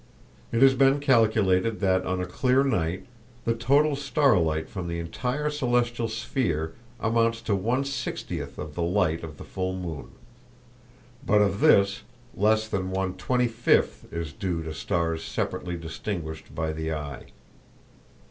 It has been calculated that on a clear night the total starlight from the entire celestial sphere amounts to one sixtieth of the light of the full moon; but of this less than one twenty fifth is due to stars separately distinguished by the eye.